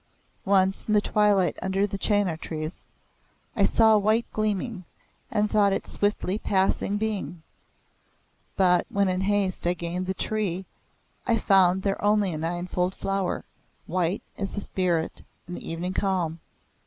Once, in the twilight under the chenar trees, I saw a white gleaming and thought it a swiftly passing Being, but when in haste I gained the tree I found there only a Ninefold flower, white as a spirit in the evening calm.